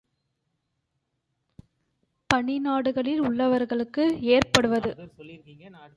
பனிநாடுகளில் உள்ளவர்களுக்கு ஏற்படுவது.